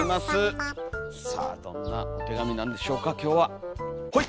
さあどんなお手紙なんでしょうか今日はほい！